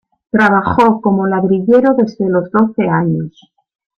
Trabajó como ladrillero desde los doce años.